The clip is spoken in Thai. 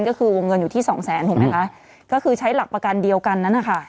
ก็คือวงเงินอยู่ที่สองแสนถูกไหมคะก็คือใช้หลักประกันเดียวกันนั้นนะคะ